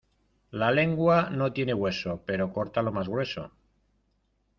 La lengua no tiene hueso, pero corta lo más grueso.